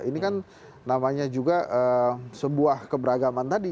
ini kan namanya juga sebuah keberagaman tadi